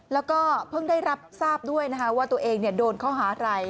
แล้วก็เพิ่งได้รับทราบด้วยนะคะว่าตัวเองโดนข้อหาอะไร